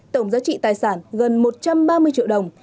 tổng giá trị tài sản gần một trăm ba mươi triệu đồng